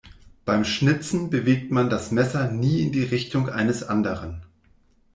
Beim Schnitzen bewegt man das Messer nie in Richtung eines anderen.